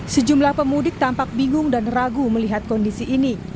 sejumlah pemudik tampak bingung dan ragu melihat kondisi ini